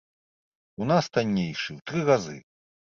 У нас таннейшы ў тры разы.